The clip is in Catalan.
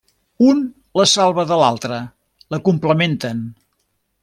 Un la salva de l'altre, la complementen.